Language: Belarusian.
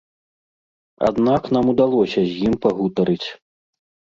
Аднак нам удалося з ім пагутарыць.